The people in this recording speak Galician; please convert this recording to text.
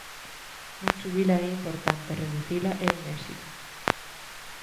Non subila é importante, reducila é un éxito.